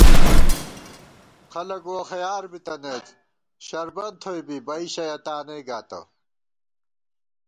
خلَک ووخَیار بِتَنَئیت شربن تھوئی بی، بئ شَیَہ تانَئ گاتہ